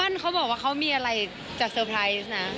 จากเซอร์ไพรส์นะ